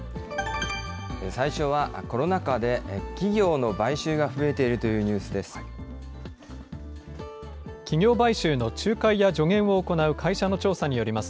最初は、コロナ禍で企業の買収が増えているというニュースです。